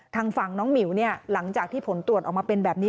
ทางฝั่งน้องหมิวหลังจากที่ผลตรวจออกมาเป็นแบบนี้